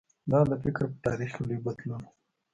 دا د فکر په تاریخ کې لوی بدلون و.